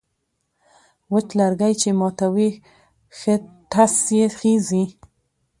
وچ لرگی چې ماتوې، ښه ټس یې خېژي.